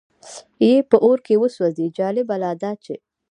یې په اور کې وسوځي، جالبه لا دا چې.